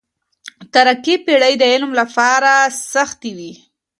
تاريکي پېړۍ د علم لپاره سختې وې.